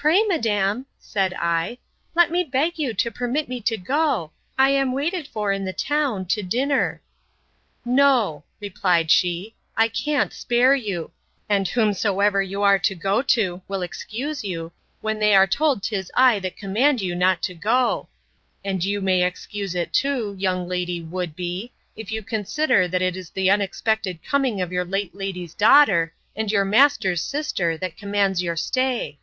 —Pray, madam, said I, let me beg you to permit me to go. I am waited for in the town, to dinner. No, replied she, I can't spare you; and whomsoever you are to go to, will excuse you, when they are told 'tis I that command you not to go;—and you may excuse it too, young Lady Would be, if you consider, that it is the unexpected coming of your late lady's daughter, and your master's sister, that commands your stay.